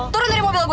turun dari mobil gua